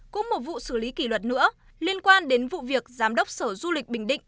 cũng một vụ xử lý kỷ luật nữa liên quan đến vụ việc giám đốc sở du lịch bình định